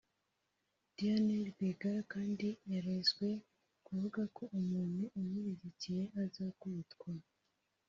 Diane Rwigara kandi yarezwe kuvuga ko umuntu umushyigikiye azakubitwa